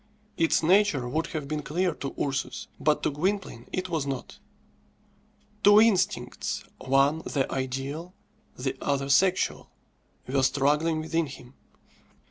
Its nature would have been clear to Ursus; but to Gwynplaine it was not. Two instincts one the ideal, the other sexual were struggling within him.